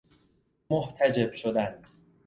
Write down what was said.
محتجب شدن